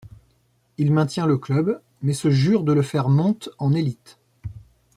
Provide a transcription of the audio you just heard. Il maintient le club, mais se jure de le faire monte en élite.